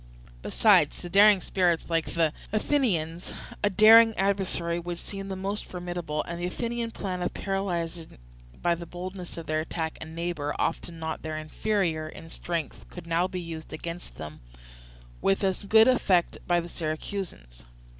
Besides, to daring spirits like the Athenians, a daring adversary would seem the most formidable; and the Athenian plan of paralysing by the boldness of their attack a neighbour often not their inferior in strength could now be used against them with as good effect by the Syracusans.